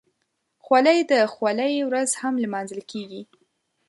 خولۍ د خولۍ ورځ هم لمانځل کېږي.